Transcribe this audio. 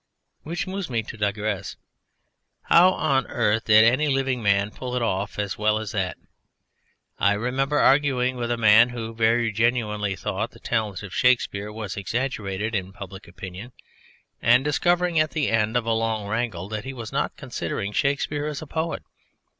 Which moves me to digress.... How on earth did any living man pull it off as well as that? I remember arguing with a man who very genuinely thought the talent of Shakespeare was exaggerated in public opinion, and discovering at the end of a long wrangle that he was not considering Shakespeare as a poet.